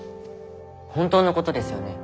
本当のことですよね？